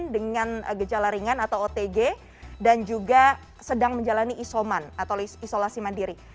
dengan gejala ringan atau otg dan juga sedang menjalani isoman atau isolasi mandiri